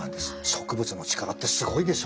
植物の力ってすごいでしょ。